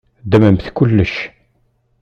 Ddmemt kullec.